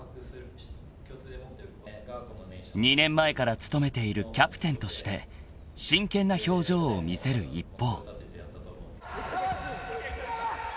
［２年前から務めているキャプテンとして真剣な表情を見せる一方］